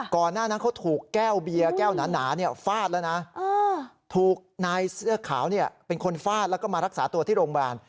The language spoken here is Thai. ก่อนหน้านั้นเขาถูกแก้วเบียร์แก้วหนาฟาดแล้วนะถูกนายเสื้อขาวเป็นคนฟาดแล้วก็มารักษาตัวที่โรงพยาบาล